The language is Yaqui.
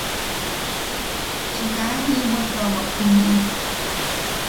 Te kaa jiʼibwatuawak juniiʼi.